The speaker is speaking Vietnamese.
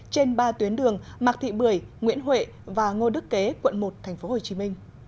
trên ba tuyến đường mạc thị bưởi nguyễn huệ và ngô đức kế quận một tp hcm